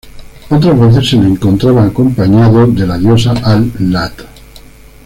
Otras veces se le encontraba acompañado de la diosa Al-lat.